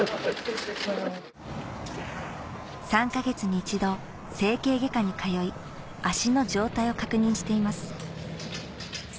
３か月に１度整形外科に通い足の状態を確認しています